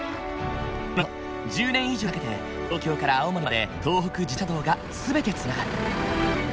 その後１０年以上かけて東京から青森まで東北自動車道が全てつながった。